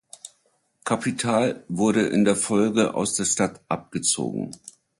Kapital wurde in der Folge aus der Stadt abgezogen.